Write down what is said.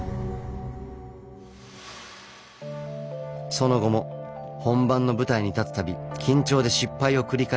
その後も本番の舞台に立つ度緊張で失敗を繰り返しました。